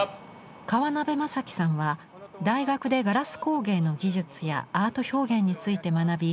川邉雅規さんは大学でガラス工芸の技術やアート表現について学び